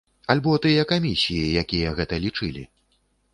Альбо тыя камісіі, якія гэта лічылі?